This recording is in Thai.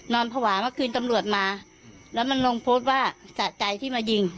ภาวะเมื่อคืนตำรวจมาแล้วมันลงโพสต์ว่าสะใจที่มายิง